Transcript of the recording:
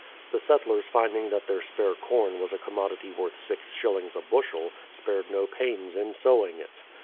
The settlers finding that their spare: corn was a commodity worth six shillings a bushel, spared no pains in sowing it.